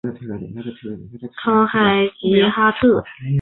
琼考海吉哈特。